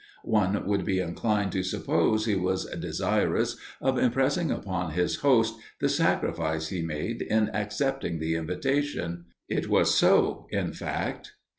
One would be inclined to suppose he was desirous of impressing upon his host the sacrifice he made in accepting the invitation: it was so, in fact.